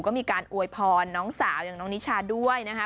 ก็มีการอวยพรน้องสาวอย่างน้องนิชาด้วยนะคะ